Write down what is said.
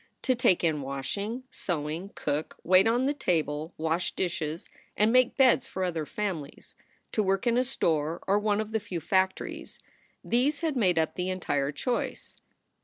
To take in washing, sewing, cook, wait on the table, wash dishes, and make beds for other families, to work in a store or one of the few factories these had made up the entire choice.